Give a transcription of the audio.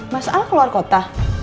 masa keluar kota